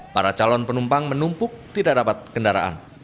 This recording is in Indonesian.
para calon penumpang menumpuk tidak dapat kendaraan